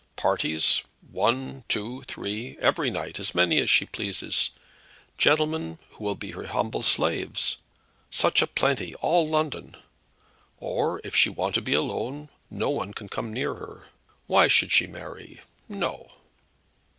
Parties, one, two, three, every night, as many as she please. Gentlemen who will be her humble slaves; such a plenty, all London. Or, if she want to be alone, no one can come near her. Why should she marry? No."